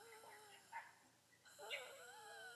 Se encuentra al noreste de la China.